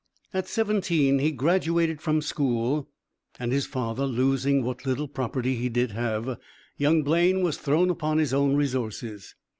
At seventeen he graduated from school and, his father, losing what little property he did have, young Blaine was thrown upon his own resources.